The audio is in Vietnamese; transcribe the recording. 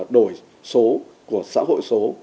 đổi số của xã hội số